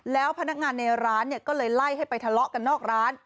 แล้วพนักงานในร้านก็เลยไล่ให้ไปทะเลาะกันนอกร้าน